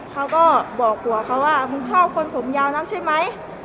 เขาก็บอกผัวเขาว่ามึงชอบคนผมยาวนะใช่ไหม